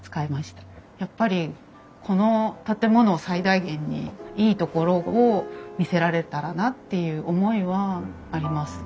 やっぱりこの建物を最大限にいいところを見せられたらなっていう思いはあります。